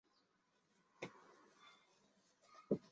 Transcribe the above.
弗利讷莱莫尔塔涅人口变化图示